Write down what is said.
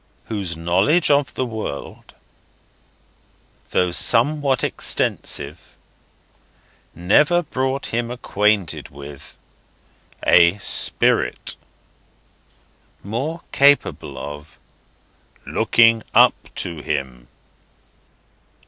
Whose Knowledge of the World, Though somewhat extensive, Never brought him acquainted with A SPIRIT More capable of LOOKING UP TO HIM.